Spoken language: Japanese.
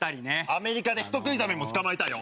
アメリカで人食いザメも捕まえたよ！